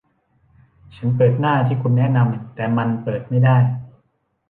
ฉันเปิดหน้าที่คุณแนะนำ แต่มันเปิดไม่ได้